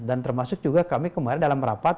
dan termasuk juga kami kemarin dalam rapat